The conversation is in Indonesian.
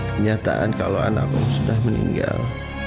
kenyataan kalau anak om sudah meninggal